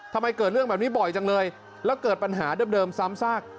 ทำไมเกิดเรื่องแบบนี้บ่อยจังเลยแล้วเกิดปัญหาเดิมซ้ำซาก